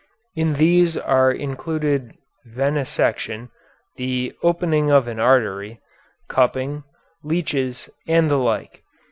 In these are included venesection, the opening of an artery, cupping, leeches, and the like.